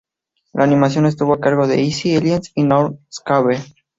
La animación estuvo a cargo de Izzy Ellis y Norm McCabe.